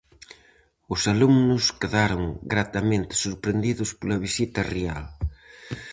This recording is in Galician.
Os alumnos quedaron gratamente sorprendidos pola visita real.